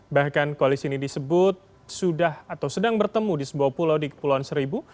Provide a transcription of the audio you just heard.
bahkan koalisi ini disebut sudah atau sedang bertemu di sebuah pulau di kepulauan seribu